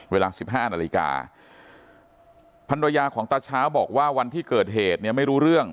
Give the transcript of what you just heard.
เวลาสิบห้านาฬิกาภรรยาของตาเช้าบอกว่าวันที่เกิดเหตุเนี่ยไม่รู้เรื่อง